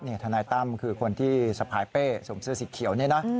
ทนายตั้มคือคนที่สะพายเป้สวมเสื้อสีเขียวนี่นะ